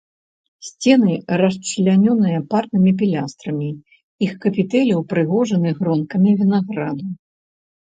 Сцены расчлянёныя парнымі пілястрамі, іх капітэлі ўпрыгожаны гронкамі вінаграду.